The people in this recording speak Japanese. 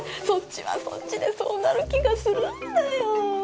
そっちはそっちでそうなる気がするんだよ